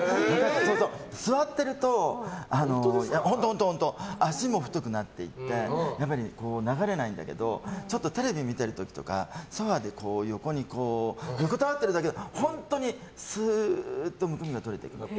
座ってると脚も太くなっていってやっぱり流れないんだけどテレビ見てる時とかソファで横たわってるだけで本当にスーッとむくみがとれていくの。